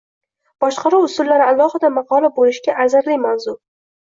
Boshqaruv usullari alohida maqola bo’lishga arzirli mavzu